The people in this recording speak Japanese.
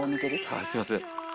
「はいすいません」